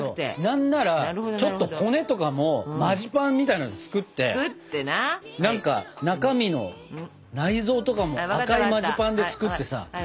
何ならちょっと骨とかもマジパンみたいなので作って何か中身の内臓とかも赤いマジパンで作ってさ。